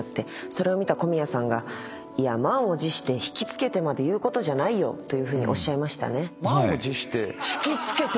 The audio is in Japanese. それを見た小宮さんが「満を持して引き付けてまで言うことじゃないよ」というふうにおっしゃいましたね。